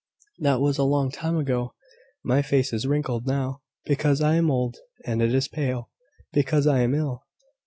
That was a long time ago. My face is wrinkled now, because I am old; and it is pale, because I am ill."